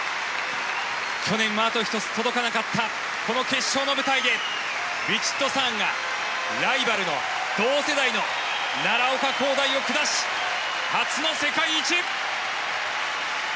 去年はあと一つ届かなかったこの決勝の舞台でヴィチットサーンがライバルの同世代の奈良岡功大を下し初の世界一。